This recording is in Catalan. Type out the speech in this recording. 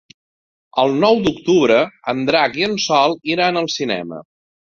El nou d'octubre en Drac i en Sol iran al cinema.